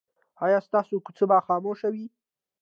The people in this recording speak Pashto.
ایا ستاسو کوڅه به خاموشه وي؟